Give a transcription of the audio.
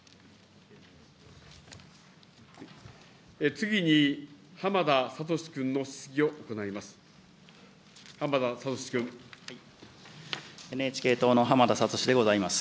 次に、浜田聡君の質疑を行います。